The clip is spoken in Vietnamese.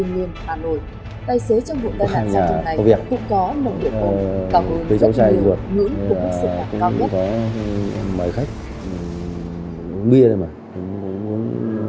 tài xế trong vụ tai nạn giao thông này cũng có nồng độ ồn cảm ơn dẫn đường nữ cũng sức khỏe cao nhất